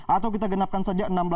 atau kita genapkan saja enam belas